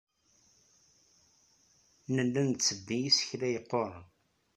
Nella nettebbi isekla yeqquren.